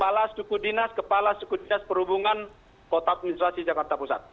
kepala suku dinas kepala suku dinas perhubungan kota administrasi jakarta pusat